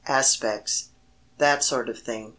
'Aspects.' That sort of thing."